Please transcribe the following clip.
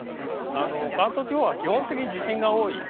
関東地方は基本的に地震が多い。